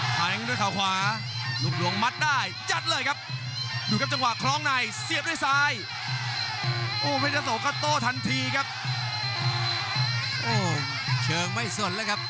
พยายามจะบี้ครับ